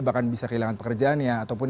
bahkan bisa kehilangan pekerjaannya ataupun